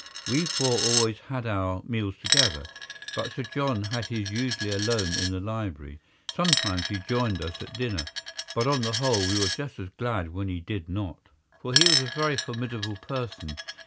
We four always had our meals together, but Sir John had his usually alone in the library. Sometimes he joined us at dinner, but on the whole we were just as glad when he did not. For he was a very formidable person.